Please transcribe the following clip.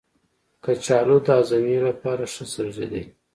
کچالو د هاضمې لپاره ښه سبزی دی.